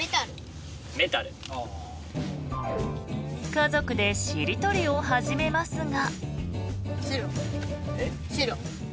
家族でしりとりを始めますが。